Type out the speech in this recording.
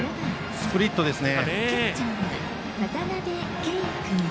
スプリットでしたね。